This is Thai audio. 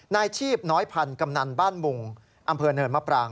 นายชีพน้อยพันธ์กำนันบ้านมุงอำเภอเนินมะปราง